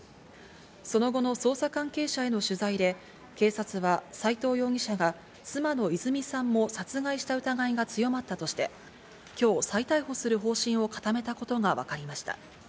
その後の捜査関係者への取材で、警察は斎藤容疑者が妻の泉さんも殺害した疑いが強まったとして、今日、再逮捕する方針を固めたことがわかりました。